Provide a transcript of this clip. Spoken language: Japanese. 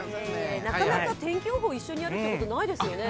なかなか天気予報、一緒にやることないですよね？